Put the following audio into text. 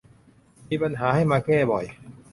มีปัญหาให้มาแก้บ่อย